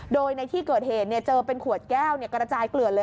โดยในที่เกิดเหตุเจอเป็นขวดแก้วกระจายเกลือนเลย